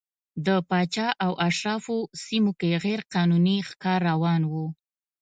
د پاچا او اشرافو سیمو کې غیر قانوني ښکار روان و.